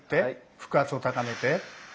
腹圧を高めて。